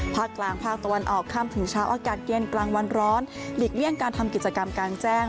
ภาคกลางภาคตะวันออกค่ำถึงเช้าอากาศเย็นกลางวันร้อนหลีกเลี่ยงการทำกิจกรรมกลางแจ้ง